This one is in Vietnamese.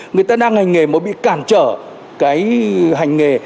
người ta đang hành nghề mà bị cản trở cái hành nghề